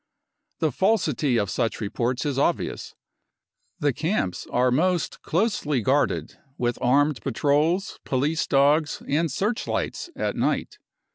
55 The falsity of such reports is obvious : the camps are most closely guarded, with armed patrols, police dogs, and searchlights at night.